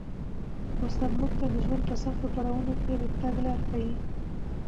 استاد موږ ته د ژوند په سختو پړاوونو کي د تګ لاره ښيي.